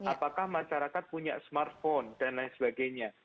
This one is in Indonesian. apakah masyarakat punya smartphone dan lain sebagainya